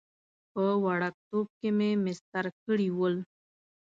په وړکتوب کې مې مسطر کړي ول.